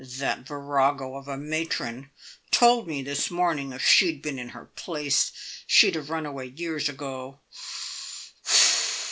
That virago of a matron told me this morning that if she'd been in her place, she'd have run away years ago.